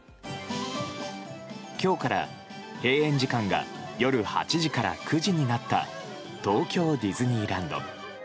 今日から閉園時間が夜８時から９時になった東京ディズニーランド。